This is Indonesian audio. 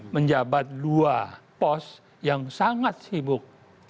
menjabat dua pos yang sangat sibuk